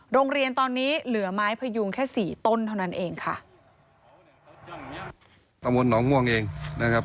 โรงเรียนตอนนี้เหลือไม้พยุงแค่สี่ต้นเท่านั้นเองค่ะตำบลหนองม่วงเองนะครับ